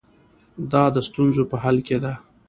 دا د ستونزو په حل کې ده.